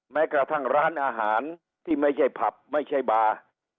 แม้กระทั่งร้านอาหารที่ไม่ใช่ผับไม่ใช่บาร์